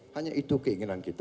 hanya itu keinginan kita